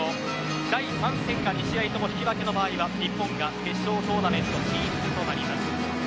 第３戦が２試合と引き分けの場合は日本が決勝トーナメント進出となります。